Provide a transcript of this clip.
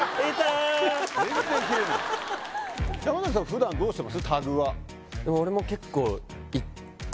普段どうしてます？